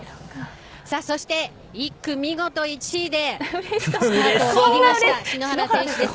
そして、１区見事１位でスタートを切りました篠原選手です。